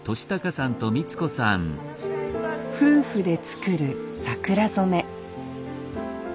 夫婦で作る桜染め